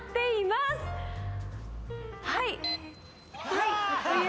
はい。